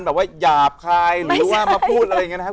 แบบว่าหยาบคายหรือว่ามาพูดอะไรอย่างนี้นะครับ